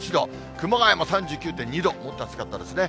熊谷も３９．２度、もっと暑かったですね。